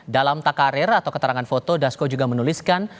dalam takarir atau keterangan foto dasko juga menuliskan